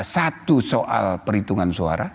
satu soal perhitungan suara